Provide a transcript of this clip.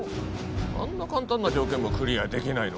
あんな簡単な条件もクリアできないのか？